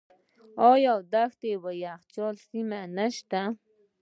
آیا دښتې او یخچالي سیمې نشته؟